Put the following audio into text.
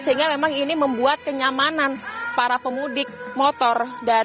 sehingga memang ini membuat kenyamanan para pemudik motor